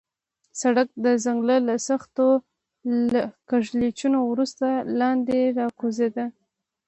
سړک د ځنګله له سختو کږلېچونو وروسته لاندې راکوزېده.